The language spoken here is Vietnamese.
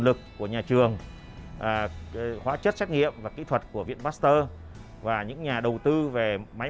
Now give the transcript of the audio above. lực của nhà trường hóa chất xét nghiệm và kỹ thuật của viện pasteur và những nhà đầu tư về máy